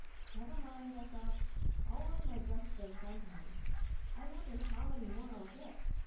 "Never mind," I thought; "I'll loan my dress to them sometimes. I wonder how many more I'll get."